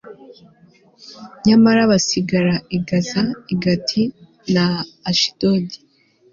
nyamara basigara i gaza, i gati na ashidodi